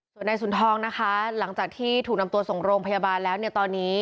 ส่วนนายสุนทองนะคะหลังจากที่ถูกนำตัวส่งโรงพยาบาลแล้วเนี่ยตอนนี้